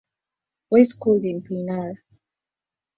Boys School in Payyanur.